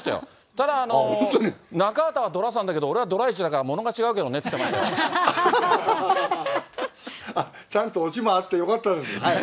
ただ、中畑はドラ３だけど、俺はドラ１だからものは違うけどねって言っちゃんと落ちもあってよかったです。